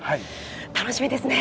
楽しみですね。